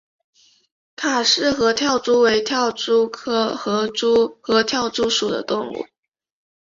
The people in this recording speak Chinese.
卡氏合跳蛛为跳蛛科合跳蛛属的动物。